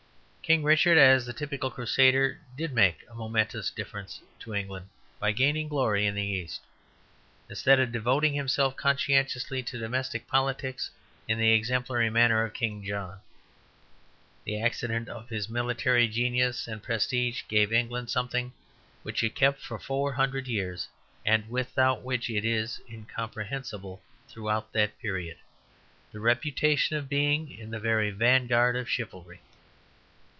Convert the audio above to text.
King Richard, as the typical Crusader, did make a momentous difference to England by gaining glory in the East, instead of devoting himself conscientiously to domestic politics in the exemplary manner of King John. The accident of his military genius and prestige gave England something which it kept for four hundred years, and without which it is incomprehensible throughout that period the reputation of being in the very vanguard of chivalry.